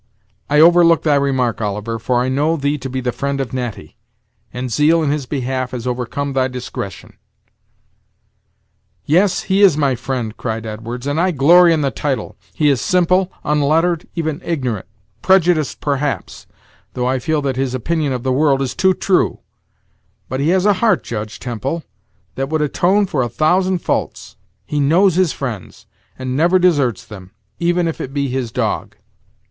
I overlook thy remark, Oliver, for I know thee to be the friend of Natty, and zeal in his behalf has overcome thy discretion." "Yes, he is my friend," cried Edwards, "and I glory in the title. He is simple, unlettered, even ignorant; prejudiced, perhaps, though I feel that his opinion of the world is too true; but he has a heart, Judge Temple, that would atone for a thousand faults; he knows his friends, and never deserts them, even if it be his dog."